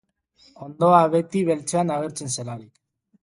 Hondoa beti beltzean agertzen zelarik.